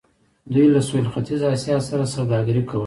دوی له سویل ختیځې اسیا سره سوداګري کوله.